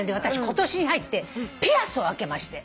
今年に入ってピアスを開けまして。